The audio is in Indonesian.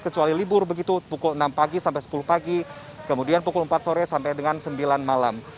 kecuali libur begitu pukul enam pagi sampai sepuluh pagi kemudian pukul empat sore sampai dengan sembilan malam